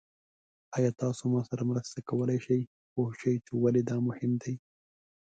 ایا تاسو ما سره مرسته کولی شئ پوه شئ چې ولې دا مهم دی؟